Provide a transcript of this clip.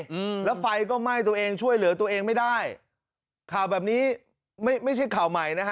อืมแล้วไฟก็ไหม้ตัวเองช่วยเหลือตัวเองไม่ได้ข่าวแบบนี้ไม่ใช่ข่าวใหม่นะฮะ